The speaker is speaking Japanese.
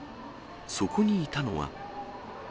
そこにいたのは。